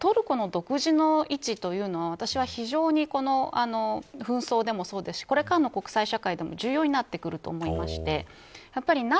トルコの独自の位置というのは私は非常にこの紛争でもそうですしこれからの国際社会でも重要になってくると思いましてやはり、